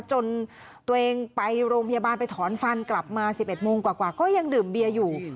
จนตัวเองไปโรงพยาบาลไปถอนฟันกลับมา๑๑โมงกว่าก็ยังดื่มเบียร์อยู่